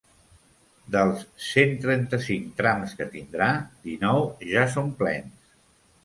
Dels cent trenta-cinc trams que tindrà, dinou ja són plens.